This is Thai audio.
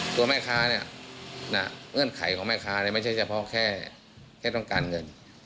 ตัวแม่ค้าเนี่ยเงื่อนไขของแม่ค้าไม่ใช่เฉพาะแค่ต้องการเงิน